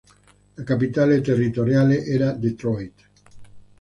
La capitale territoriale era Detroit.